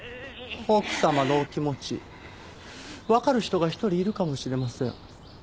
奥様のお気持ちわかる人が１人いるかもしれません。